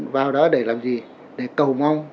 vào đó để làm gì để cầu mong